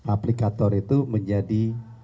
aplikator itu menjadi